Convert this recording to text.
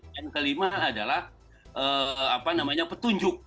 yang kelima adalah apa namanya petunjuk